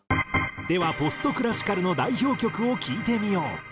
ではポスト・クラシカルの代表曲を聴いてみよう。